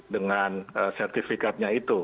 dengan sertifikatnya itu